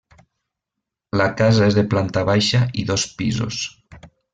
La casa és de planta baixa i dos pisos.